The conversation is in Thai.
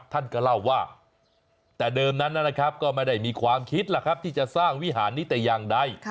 ท่านก็เล่าว่าแต่เดิมนั้นนะครับก็ไม่ได้มีความคิดล่ะครับที่จะสร้างวิหารนี้แต่อย่างใด